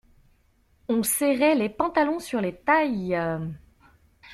On serrait les pantalons sur les tailles.